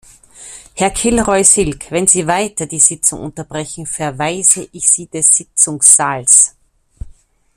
Herr Kilroy-Silk, wenn Sie weiter die Sitzung unterbrechen, verweise ich Sie des Sitzungssaals.